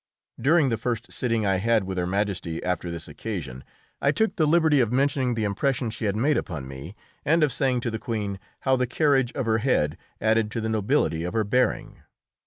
During the first sitting I had with Her Majesty after this occasion I took the liberty of mentioning the impression she had made upon me, and of saying to the Queen how the carriage of her head added to the nobility of her bearing.